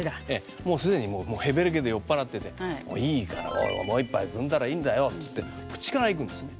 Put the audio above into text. もう既にもうへべれけで酔っ払ってて「いいからおいもう一杯くんだらいいんだよ」って口からいくんですね。